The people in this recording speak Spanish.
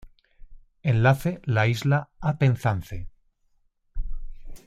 Enlace la isla a Penzance.